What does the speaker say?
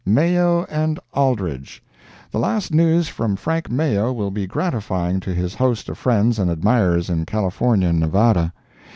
MAYO AND ALDRICH. The last news from Frank Mayo will be gratifying to his host of friends and admirers in California and Nevada.